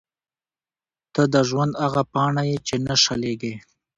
• ته د ژوند هغه پاڼه یې چې نه شلېږي.